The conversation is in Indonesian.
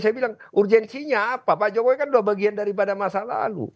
saya bilang urgensinya apa pak jokowi kan sudah bagian daripada masa lalu